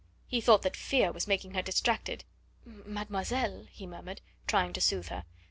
He thought that fear was making her distracted. "Mademoiselle " he murmured, trying to soothe her.